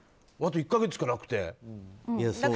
あと１か月しかなくて。